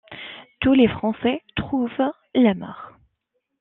Tous les Français trouvent la mort.